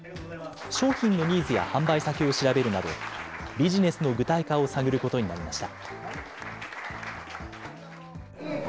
商品のニーズや販売先を調べるなど、ビジネスの具体化を探ることになりました。